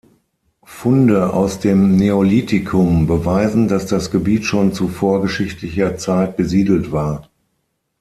Funde aus dem Neolithikum beweisen, dass das Gebiet schon zu vorgeschichtlicher Zeit besiedelt war.